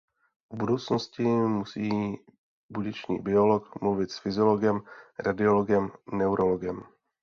V budoucnosti musí buněčný biolog mluvit s fyziologem, radiologem, neurologem.